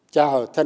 chào thân ái